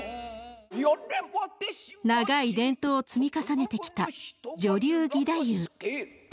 長い伝統を積み重ねてきた女流義太夫。